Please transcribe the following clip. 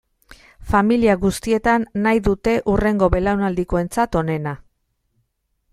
Familia guztietan nahi dute hurrengo belaunaldikoentzat onena.